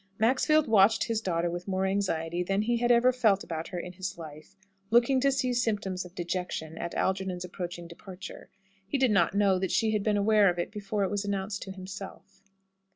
Maxfield watched his daughter with more anxiety than he had ever felt about her in his life, looking to see symptoms of dejection at Algernon's approaching departure. He did not know that she had been aware of it before it was announced to himself.